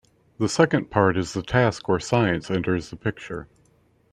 The second part is the task where science enters the picture.